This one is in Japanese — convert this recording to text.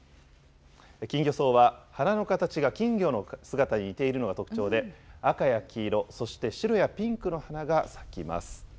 キンギョソウは、花の形が金魚の姿に似ているのが特徴で、赤や黄色、そして白やピンクの花が咲きます。